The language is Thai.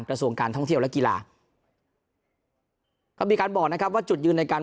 กระทรวงการท่องเที่ยวและกีฬาก็มีการบอกนะครับว่าจุดยืนในการ